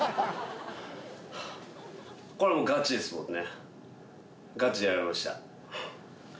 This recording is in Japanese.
これガチですもんね。